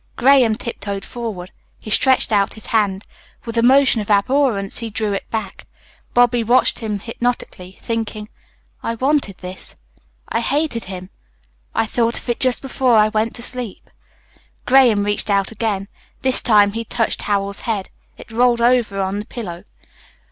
Graham tiptoed forward. He stretched out his hand. With a motion of abhorrence he drew it back. Bobby watched him hypnotically, thinking: "I wanted this. I hated him. I thought of it just before I went to sleep." Graham reached out again. This time he touched Howells's head. It rolled over on the pillow.